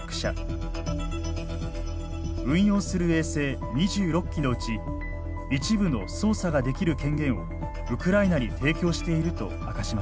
運用する衛星２６基のうち一部の操作ができる権限をウクライナに提供していると明かしました。